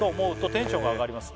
「テンションが上がります」